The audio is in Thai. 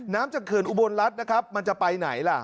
น้ำจังเขื่อนอุบลรัฐมันจะไปไหนล่ะ